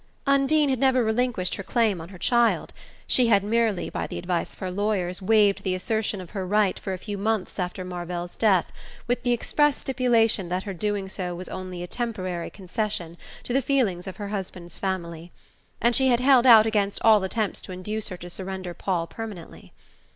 Undine had never relinquished her claim on her child; she had merely, by the advice of her lawyers, waived the assertion of her right for a few months after Marvell's death, with the express stipulation that her doing so was only a temporary concession to the feelings of her husband's family; and she had held out against all attempts to induce her to surrender Paul permanently.